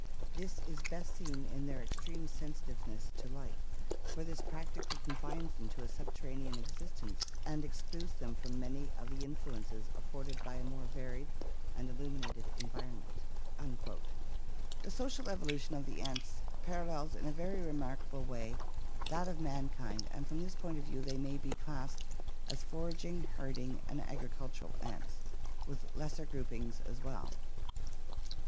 This is best seen in their extreme sensitive ness to light, for this practically confines them to a subterranean existence and excludes them from many of the influences afforded by a more varied and illuminated environment." The social evolution of the ants parallels in a very remarkable way that of mankind and from this point of view they may be classed as foraging, herding, and agricultural ants, with lesser groupings as well.